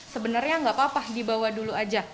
sebenarnya tidak apa apa dibawa dulu saja